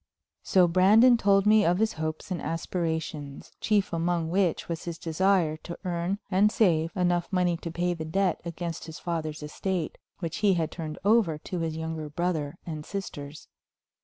So Brandon told me of his hopes and aspirations, chief among which was his desire to earn, and save, enough money to pay the debt against his father's estate, which he had turned over to his younger brother and sisters.